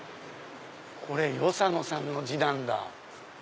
これ与謝野さんの字なんだ。